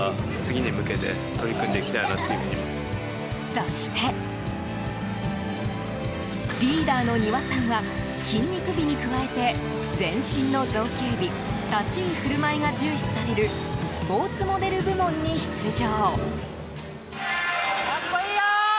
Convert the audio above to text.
そして、リーダーの丹羽さんは筋肉美に加えて全身の造形美立ち居振る舞いが重視されるスポーツモデル部門に出場。